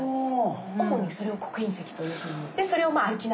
主にそれを「刻印石」と呼ぶように。